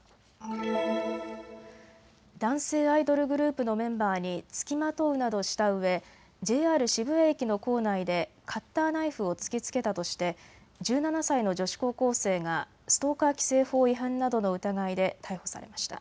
男性アイドルグループのメンバーに付きまとうなどしたうえＪＲ渋谷駅の構内でカッターナイフを突きつけたとして１７歳の女子高校生がストーカー規制法違反などの疑いで逮捕されました。